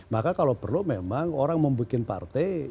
maka kalau perlu memang orang membuat partai